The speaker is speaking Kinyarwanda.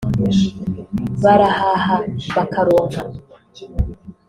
barahaha bakaronka